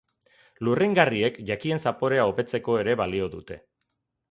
Lurringarriek jakien zaporea hobetzeko ere balio dute